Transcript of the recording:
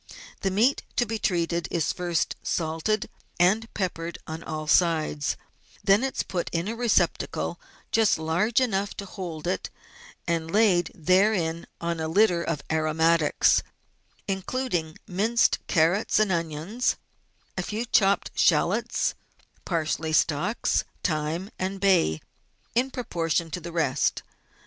The meat to be treated is first salted and peppered on all sides, then it is put in a receptacle just large enough to hold it, and laid therein on a litter of aromatics, including minced carrots and onions, a few chopped shallots, parsley stalks, thyme, and bay in proportion to the rest.